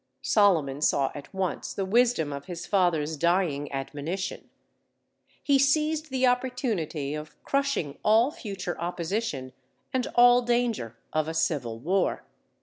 Solomon saw at once the wisdom of his father's dying admonition: he seized the opportunity of crushing all future opposition and all danger of a civil war.